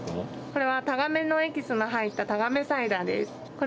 これはタガメのエキスが入ったサイダーです。